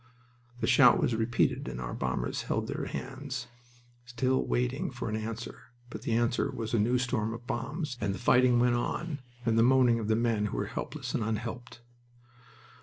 The shout was repeated, and our bombers held their hands, still waiting for an answer. But the answer was a new storm of bombs, and the fighting went on, and the moaning of the men who were helpless and unhelped.